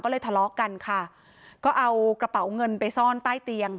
ก็เลยทะเลาะกันค่ะก็เอากระเป๋าเงินไปซ่อนใต้เตียง